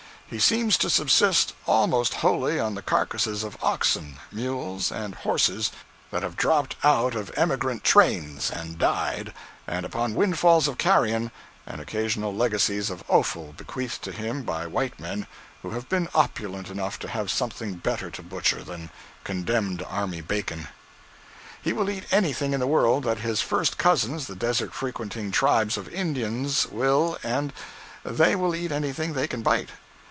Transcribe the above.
He seems to subsist almost wholly on the carcases of oxen, mules and horses that have dropped out of emigrant trains and died, and upon windfalls of carrion, and occasional legacies of offal bequeathed to him by white men who have been opulent enough to have something better to butcher than condemned army bacon. He will eat anything in the world that his first cousins, the desert frequenting tribes of Indians will, and they will eat anything they can bite.